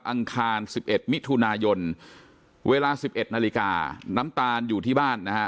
อังคาร๑๑มิถุนายนเวลา๑๑นาฬิกาน้ำตาลอยู่ที่บ้านนะฮะ